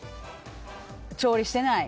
調理してない。